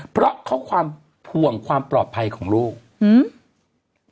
เพราะเขาความห่วงความปลอดภัยของลูกอืม